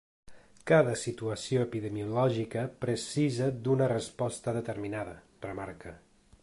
Cada situació epidemiològica precisa d’una resposta determinada, remarca.